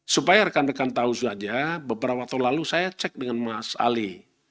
supaya rekan rekan tahu saja beberapa waktu lalu saya cek dengan mas ali